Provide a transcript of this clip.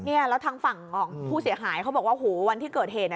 เนี่ยแล้วทางฝั่งของผู้เสียหายเขาบอกว่าโหวันที่เกิดเหตุอ่ะ